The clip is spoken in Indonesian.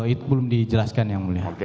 itu belum dijelaskan yang mulia